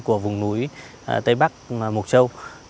của vùng núi tây bắc mục châu